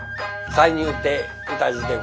三遊亭歌司でございます。